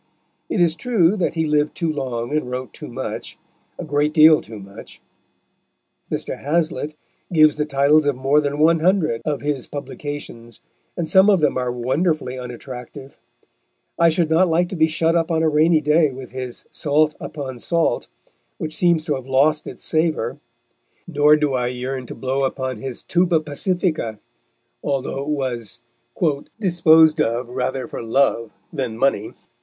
It is true that he lived too long and wrote too much a great deal too much. Mr. Hazlitt gives the titles of more than one hundred of his publications, and some of them are wonderfully unattractive. I should not like to be shut up on a rainy day with his Salt upon Salt, which seems to have lost its savour, nor do I yearn to blow upon his Tuba Pacifica, although it was "disposed of rather for love than money."